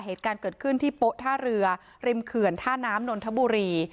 เหตุการณ์เกิดขึ้นที่โป๊ะท่าเรือริมเขื่อนท่าน้ำนนทบุรี